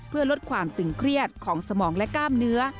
เพื่อลดความตึงเครียดของสมองและกล้ามเนื้อ